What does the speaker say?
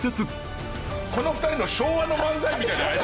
この２人の昭和の漫才みたいな。